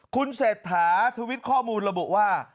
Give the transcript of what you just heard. คุณเศรษฐาทวิตข้อมูลระบุว่า